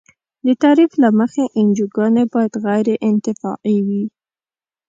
د تعریف له مخې انجوګانې باید غیر انتفاعي وي.